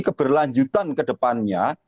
keberlanjutan ke depannya